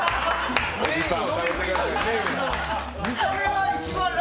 おじさん。